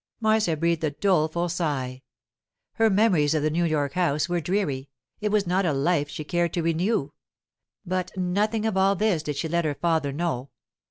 Marcia breathed a doleful sigh. Her memories of the New York house were dreary; it was not a life she cared to renew. But nothing of all this did she let her father know.